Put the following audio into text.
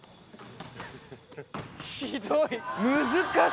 ひどい！